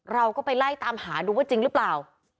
เราก็ไปไล่ตามหาดูว่าจริงหรือเปล่า